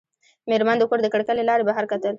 مېرمن د کور د کړکۍ له لارې بهر کتل.